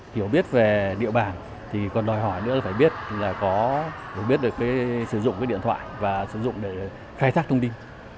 hiểu biết về địa bàn thì còn đòi hỏi nữa là phải biết là có hiểu biết được cái sử dụng cái điện thoại và sử dụng để khai thác thông tin